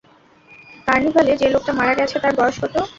কার্নিভ্যালে যে লোকটা মারা গেছে, তার বয়স কত?